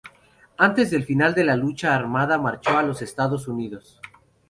Antes del final de la lucha armada marchó a los Estados Unidos.